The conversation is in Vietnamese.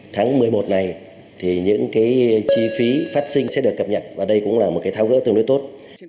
tháng một mươi một này thì những chi phí phát sinh sẽ được cập nhật và đây cũng là một cái thao gỡ tương đối tốt